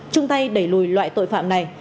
trung tay đẩy lùi loại tội phạm này